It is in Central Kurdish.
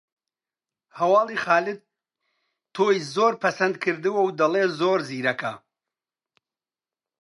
هەواڵی خالید تۆی زۆر پەسند کردووە و دەڵێ زۆر زیرەکە